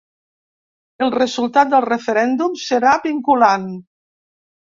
El resultat del referèndum serà vinculant.